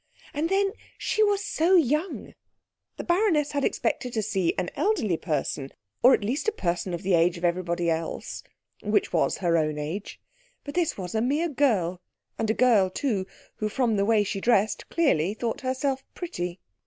And then she was so young. The baroness had expected to see an elderly person, or at least a person of the age of everybody else, which was her own age; but this was a mere girl, and a girl, too, who from the way she dressed, clearly thought herself pretty.